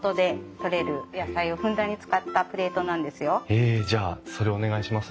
へえじゃあそれお願いします。